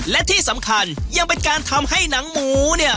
และที่สำคัญยังเป็นการทำให้หนังหมูเนี่ย